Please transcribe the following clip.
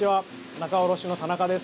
仲卸の田中です。